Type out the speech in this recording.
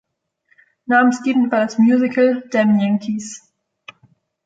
Namensgebend war das Musical "Damn Yankees".